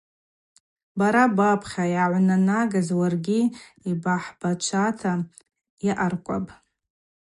Бара бапхъа йгӏагӏвнанагаз уагӏагьи йбахӏбачвата йаъаркӏвапӏ.